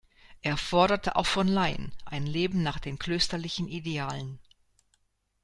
Er forderte auch von Laien ein Leben nach den klösterlichen Idealen.